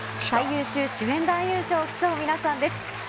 最優秀主演男優賞を競う皆さんです。